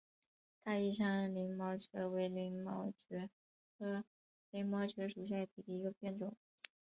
大宜昌鳞毛蕨为鳞毛蕨科鳞毛蕨属下的一个变种。